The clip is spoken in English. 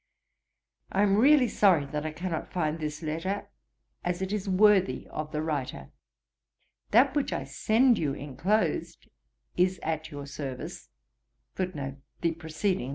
I am really sorry that I cannot find this letter, as it is worthy of the writer. That which I send you enclosed is at your service.